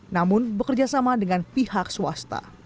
namun bekerjasama dengan pihak swasta